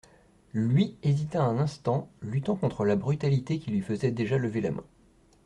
Lui, hésita un instant, luttant contre la brutalité qui lui faisait déjà lever la main.